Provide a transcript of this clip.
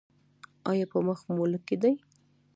ایا په مخ مو لکې دي؟